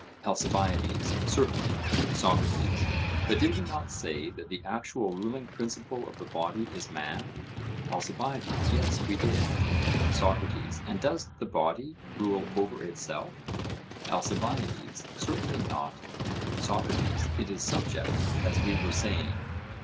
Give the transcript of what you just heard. ALCIBIADES: Certainly. SOCRATES: But did we not say that the actual ruling principle of the body is man? ALCIBIADES: Yes, we did. SOCRATES: And does the body rule over itself? ALCIBIADES: Certainly not. SOCRATES: It is subject, as we were saying?